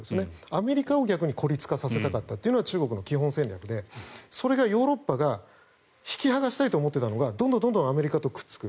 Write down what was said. アメリカを逆に孤立化させたかったのが中国の基本戦略でそれがヨーロッパが引き剥がしたいと思っていたのがどんどんアメリカとくっつく。